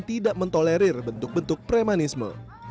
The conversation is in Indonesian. tidak mentolerir bentuk bentuk premanisme